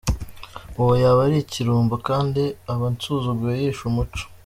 Uwo yaba ari ikirumbo kandi aba ansuzuguye yishe umuco.